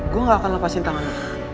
gue nggak akan lepasin tangan lu